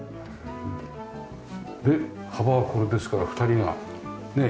で幅はこれですから２人がね